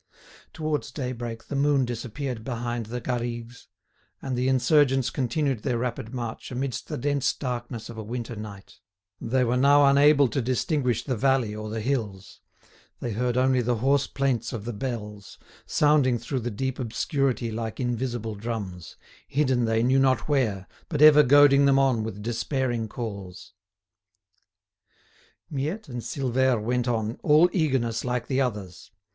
Towards daybreak the moon disappeared behind the Garrigues and the insurgents continued their rapid march amidst the dense darkness of a winter night. They were now unable to distinguish the valley or the hills; they heard only the hoarse plaints of the bells, sounding through the deep obscurity like invisible drums, hidden they knew not where, but ever goading them on with despairing calls. Miette and Silvère went on, all eagerness like the others.